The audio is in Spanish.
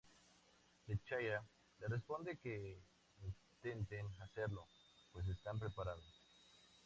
T'Challa le responde "Que intenten hacerlo", pues están preparados.